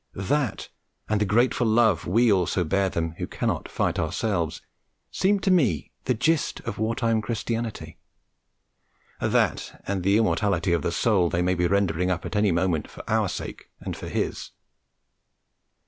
That, and the grateful love we also bear them, who cannot fight ourselves, seem to me the gist of war time Christianity: that, and the immortality of the soul they may be rendering up at any moment for our sake and for His.